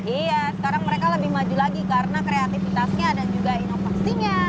iya sekarang mereka lebih maju lagi karena kreativitasnya dan juga inovasinya